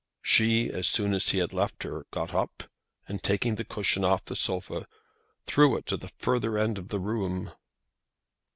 She, as soon as he had left her, got up, and taking the cushion off the sofa, threw it to the further end of the room.